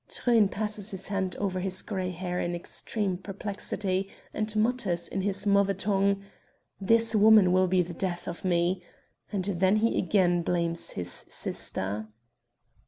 Truyn passes his hand over his grey hair in extreme perplexity and mutters in his mother tongue: "This woman will be the death of me!" and then he again blames his sister.